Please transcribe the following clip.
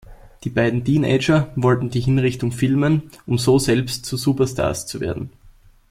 Die beiden Teenager wollen die Hinrichtung filmen, um so selbst zu „Superstars“ zu werden.